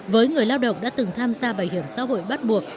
với người lao động đã từng tham gia bảo hiểm xã hội bắt buộc